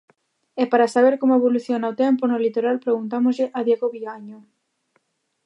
E para saber como evoluciona o tempo no litoral preguntámoslle a Diego Viaño.